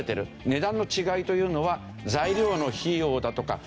値段の違いというのは材料の費用だとか人件費。